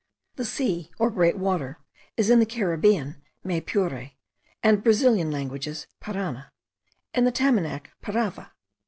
The sea, or great water, is in the Caribbean, Maypure, and Brazilian languages, parana: in the Tamanac, parava.